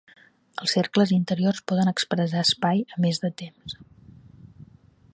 Els cercles interiors poden expressar espai a més de temps.